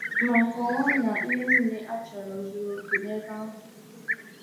ma kọwakwa na ihe niile a chọrọ zùrù òké n'ebe ahụ